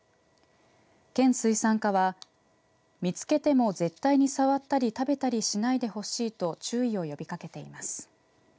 県水産課は見つけても絶対に触ったり食べたりしないでほしいと注意を呼びかけています。